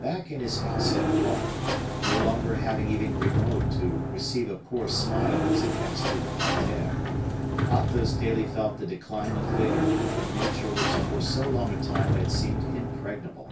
Back in his house at Blois, no longer having even Grimaud to receive a poor smile as he passed through the parterre, Athos daily felt the decline of vigor of a nature which for so long a time had seemed impregnable.